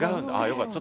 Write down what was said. よかった。